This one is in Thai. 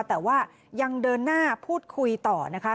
แต่ว่ายังเดินหน้าพูดคุยต่อนะคะ